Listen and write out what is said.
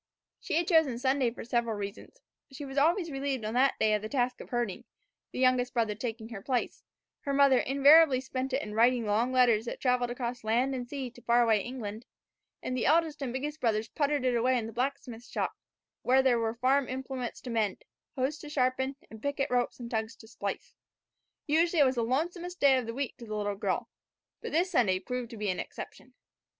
She had chosen a Sunday for several reasons: she was always relieved on that day of the task of herding, the youngest brother taking her place; her mother invariably spent it in writing long letters that traveled across land and sea to far away England; and the eldest and biggest brothers puttered it away in the blacksmith shop, where there were farm implements to mend, hoes to sharpen, and picket ropes and tugs to splice. Usually it was the lonesomest day of the week to the little girl; but this Sunday proved to be an exception.